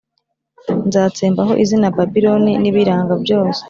Nzatsembaho izina Babiloni n’ibiyiranga byose,